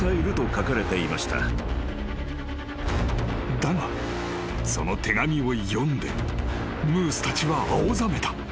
［だがその手紙を読んでムースたちは青ざめた］